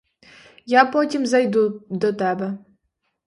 Я потім зайду до тебе.